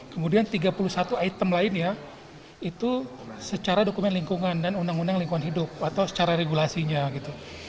kemudian tiga puluh satu item lainnya itu secara dokumen lingkungan dan undang undang lingkungan hidup atau secara regulasinya gitu